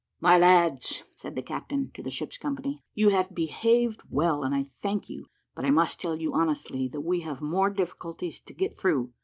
"My lads," said the captain to the ship's company, "you have behaved well, and I thank you; but I must tell you honestly, that we have more difficulties to get through.